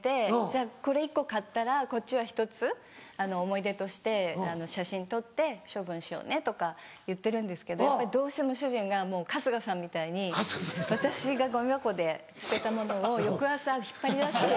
じゃあこれ１個買ったらこっちは１つ思い出として写真撮って処分しようねとか言ってるんですけどやっぱりどうしても主人が春日さんみたいに私がゴミ箱で捨てた物を翌朝引っ張り出して。